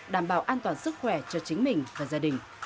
đảm bảo an toàn sức khỏe cho chính mình và gia đình